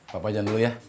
papa jan dulu ya